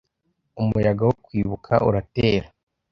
Umuyaga wo kwibuka uratera